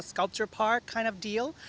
seperti park skulptur